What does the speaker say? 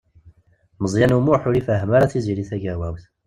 Meẓyan U Muḥ ur ifehhem ara Tiziri Tagawawt.